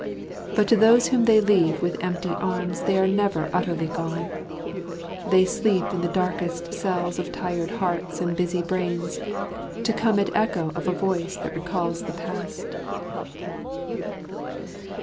But to those whom they leave with empty arms they are never utterly gone. They sleep in the darkest cells of tired hearts and busy brains, to come at echo of a voice that recalls the past.